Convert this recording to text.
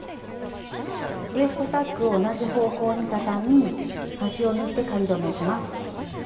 ウエストタックを同じ方向に畳み端を縫って仮留めします。